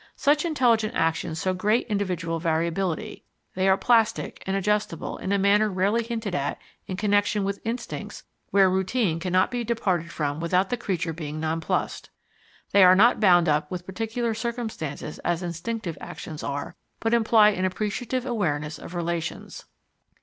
Such intelligent actions show great individual variability; they are plastic and adjustable in a manner rarely hinted at in connection with instincts where routine cannot be departed from without the creature being nonplussed; they are not bound up with particular circumstances as instinctive actions are, but imply an appreciative awareness of relations.